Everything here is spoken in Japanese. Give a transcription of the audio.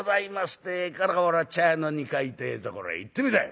ってえから俺は茶屋の二階ってえところへ行ってみたよ。